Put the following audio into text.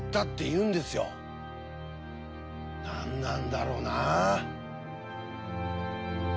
何なんだろうなあ。